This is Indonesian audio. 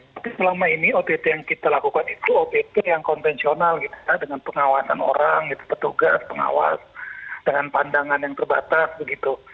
tapi selama ini ott yang kita lakukan itu ott yang konvensional gitu ya dengan pengawasan orang petugas pengawas dengan pandangan yang terbatas begitu